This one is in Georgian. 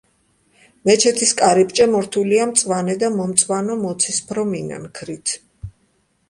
მეჩეთის კარიბჭე მორთულია მწვანე და მომწვანო-მოცისფრო მინანქრით.